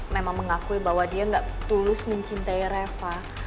memang mengakui bahwa dia nggak tulus mencintai reva